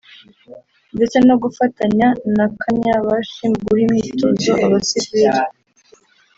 ndetse no gufatanya na Kanyabashi mu guha imyitozo abasivili